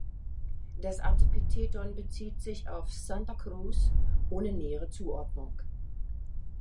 Das Artepitheton bezieht sich auf „Santa Cruz“ (ohne nähere Zuordnung).